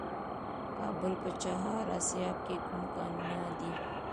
د کابل په چهار اسیاب کې کوم کانونه دي؟